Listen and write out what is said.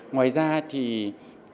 ngoài ra thì có những lý do khác